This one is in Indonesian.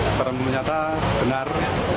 sekarang menyata benar